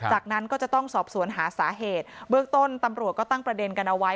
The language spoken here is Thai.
จากนั้นก็จะต้องสอบสวนหาสาเหตุเบื้องต้นตำรวจก็ตั้งประเด็นกันเอาไว้